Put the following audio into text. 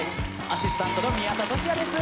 アシスタントの宮田俊哉です